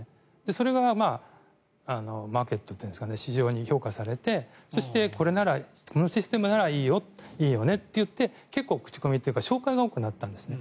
それがマーケットというんですか市場に評価されてそして、このシステムならいいよねといって結構、口コミというか紹介が多くなったんですね。